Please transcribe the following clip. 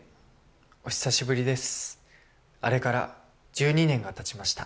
お久しぶりです」。